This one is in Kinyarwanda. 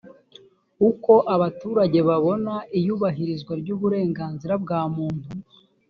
uko abaturage babona iyubahirizwa ry uburenganzira bwa muntu